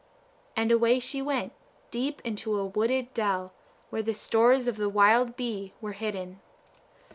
And away she went, deep into a wooded dell, where the stores of the wild bee were hidden.